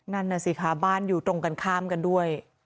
นั่นน่ะสิคะบ้านอยู่ตรงกันข้ามกันด้วย